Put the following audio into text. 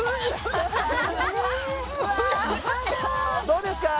どうですか？